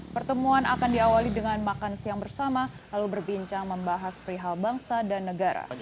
pertemuan akan diawali dengan makan siang bersama lalu berbincang membahas perihal bangsa dan negara